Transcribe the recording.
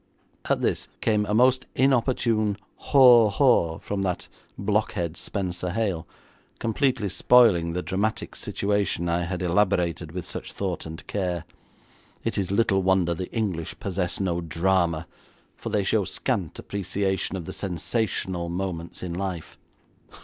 At this came a most inopportune 'Haw haw' from that blockhead Spenser Hale, completely spoiling the dramatic situation I had elaborated with such thought and care. It is little wonder the English possess no drama, for they show scant appreciation of the sensational moments in life.